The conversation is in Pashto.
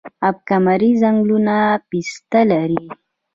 اب کمري ځنګلونه پسته لري؟